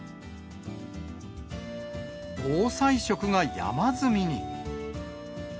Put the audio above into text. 防災食が山積みに。